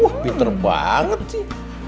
wah pinter banget sih